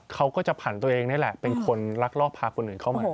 เขาก็จะผ่านตัวเองนี่แหละเป็นคนลักลอบพาคนอื่นเข้ามา